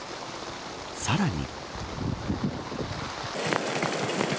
さらに。